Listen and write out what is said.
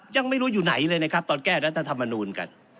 ยังไม่รู้อยู่ไหนเลยนะครับตอนแก้รัฐธรรมนูลกัน